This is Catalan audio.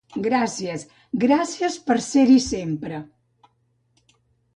Gràcies, gràcies per ser-hi sempre!